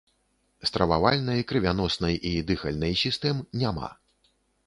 Стрававальнай, крывяноснай і дыхальнай сістэм няма.